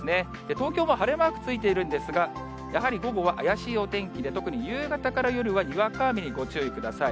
東京も晴れマークついてるんですが、やはり午後は怪しいお天気で、特に夕方から夜は、にわか雨にご注意ください。